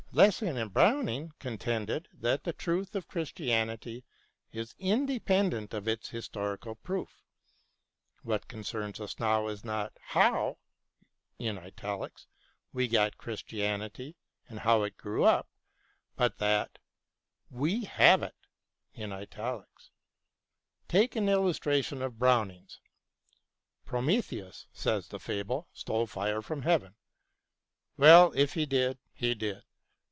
Lessing and Browning contended that the truth of Christianity is independent of its historical proof. What concerns us now is not how we got Christianity and how it grew up, but that toe have it. Take an illustration of Browning's. Prometheus, says the fable, stole fire from heaven. Well, if he did, he did.